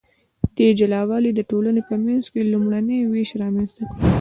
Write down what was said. دې جلا والي د ټولنې په منځ کې لومړنی ویش رامنځته کړ.